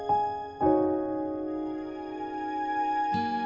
aku akan menjaga dia